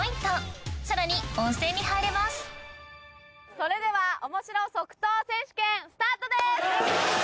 それではおもしろ即答選手権スタートです！